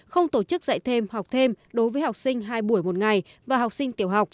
không tổ chức dạy thêm học thêm đối với học sinh hai buổi một ngày và học sinh tiểu học